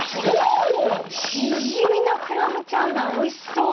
しじみのクラムチャウダーおいしそう！